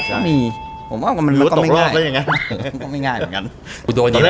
ตกรอบได้ยังไง